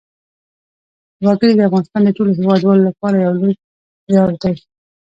وګړي د افغانستان د ټولو هیوادوالو لپاره یو لوی ویاړ دی.